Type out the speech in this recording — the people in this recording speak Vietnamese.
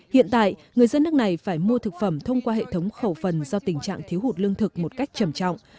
hiện tại người dân nước này phải mua thực phẩm thông qua hệ thống khẩu phần do tình trạng thiếu hụt lương thực một cách trầm trọng